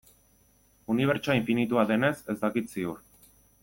Unibertsoa infinitua denetz ez dakit ziur.